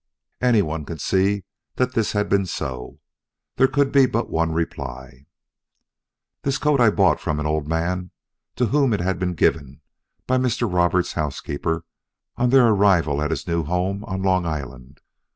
Anyone could see that this had been so. There could be but one reply: "This coat I bought from an old man to whom it had been given by Mr. Roberts' housekeeper on their arrival at his new home on Long Island.